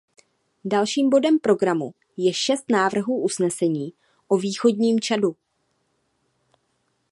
Dalším bodem programu je šest návrhů usnesení o východním Čadu.